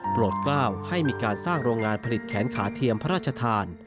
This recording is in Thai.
โปรดกล้าวให้มีการสร้างโรงงานผลิตแขนขาเทียมพระราชทาน